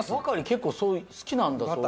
結構好きなんだそういうの。